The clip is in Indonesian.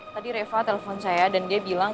tadi reva telepon saya dan dia bilang